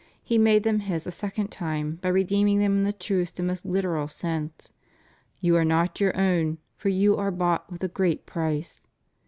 He made them His a second time by redeeming them in the truest and most hteral sense. You are not your own, for you are bought with a great price?